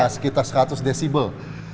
sekitar seratus decibel